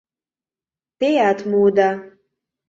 Теат муыда.